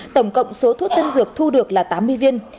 tổng cộng số thuốc tân dược thu được là tám mươi viên